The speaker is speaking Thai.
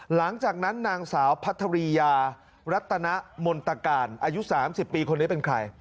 หลังจากนั้นนางสาวพัทรียารัตนมนตการอายุ๓๐ปีคนนี้เป็นใคร